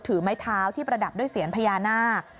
ไม้เท้าที่ประดับด้วยเสียนพญานาค